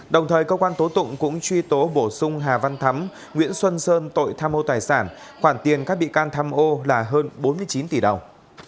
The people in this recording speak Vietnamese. đồng thời cơ quan tố tụng cũng truy tố bổ sung hà văn thắm nguyễn xuân sơn tội tham mô tài sản khoản tiền các bị can tham ô là hơn bốn mươi chín tỷ đồng